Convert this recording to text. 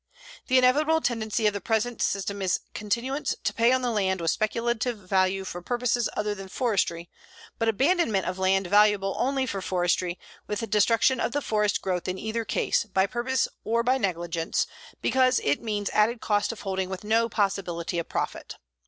The inevitable tendency of the present system is continuance to pay on the land with speculative value for purposes other than forestry but abandonment of land valuable only for forestry, with destruction of the forest growth in either case, by purpose or negligence, because it means added cost of holding with no possibility of profit.